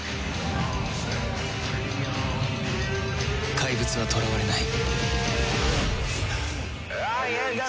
怪物は囚われない